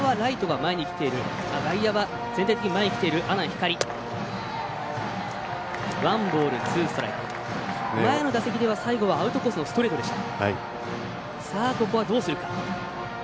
前の打席ではアウトコースのストレートでした。